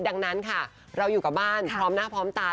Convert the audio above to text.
ดังนั้นค่ะเราอยู่กับบ้านพร้อมหน้าพร้อมตา